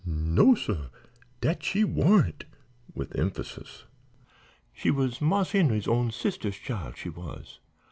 "No suh, dat she warn't!" with emphasis. "She was Marse Henry's own sister's chile, she was.